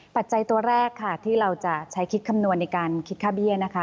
ปัจจัยตัวแรกค่ะที่เราจะใช้คิดคำนวณในการคิดค่าเบี้ยนะคะ